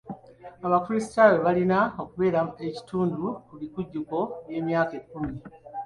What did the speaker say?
Abakrisitaayo balina okubeera ekitundu ku bikujjuko by'emyaka ekikumi.